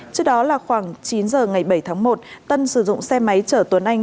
trước đó là khoảng chín giờ ngày bảy tháng một tân sử dụng xe máy chở tuấn anh